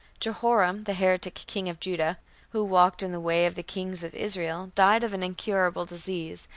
Jehoram, the heretic king of Judah, who "walked in the way of the kings of Israel", died of "an incurable disease.